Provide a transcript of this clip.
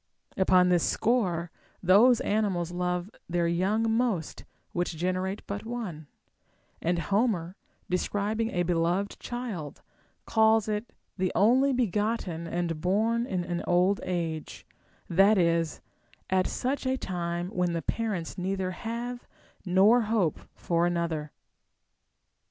Upon this score, those animals love their young most which generate but one ; and Homer, describing a beloΛ^ed child, calls it the only begotten and born in old age, — that is, at such a time when the parents neither have nor hope for another.